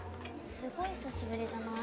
すごい久しぶりじゃない？